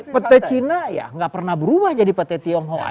pete cina ya tidak pernah berubah jadi pete tionghoa